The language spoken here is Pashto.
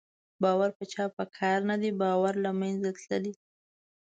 باور په چا په کار نه دی، باور له منځه تللی